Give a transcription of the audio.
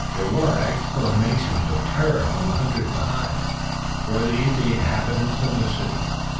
There were exclamations of terror from the hunters behind. Were these the inhabitants of the city?